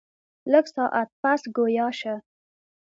لږ ساعت پس ګویا شۀ ـ